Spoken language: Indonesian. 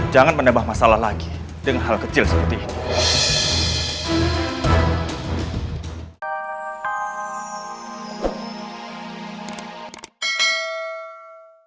jangan menambah masalah lagi dengan hal kecil seperti ini